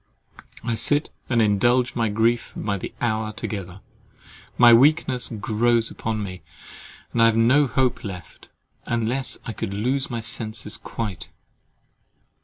I sit and indulge my grief by the hour together; my weakness grows upon me; and I have no hope left, unless I could lose my senses quite.